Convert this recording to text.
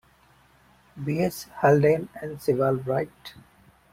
B. S. Haldane and Sewall Wright.